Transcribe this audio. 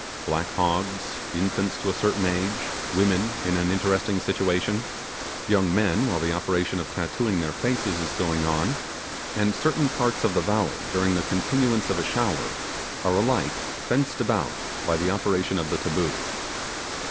Black hogs infants to a certain age women in an interesting situation young men while the operation of tattooing their faces is going on and certain parts of the valley during the continuance of a shower are alike fenced about by the operation of the taboo.